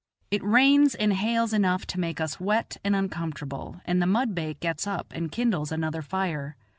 It rains and hails enough to make us wet and uncomfortable, and the mudbake gets up and kindles another fire.